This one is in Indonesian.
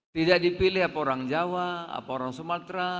tidak dipilih apa orang jawa apa orang sumatera